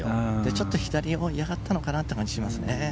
ちょっと左を嫌がったのかなという感じがしますね。